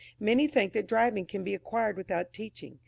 Many think that driving can be acquired without teaching.